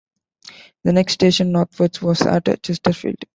The next station northwards was at Chesterfield.